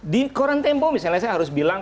di koran tempo misalnya saya harus bilang